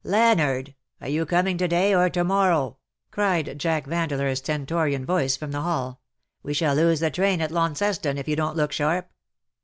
^' Leonard ! are you coming to day or to morrow ?'"' cried Jack Vandeleur's stentorian voice from the hall. " We shall lose the train at Laun ceston, if you don't look sharp."